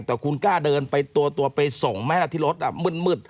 แต่คุณกล้าเดินไปตัวไปส่งไหมล่ะที่รถมืด